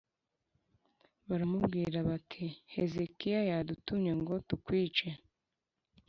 Baramubwira bati Hezekiya yadutumye ngo tukwice